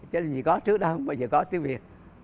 chứ gì có trước đó không bao giờ có tiếng việt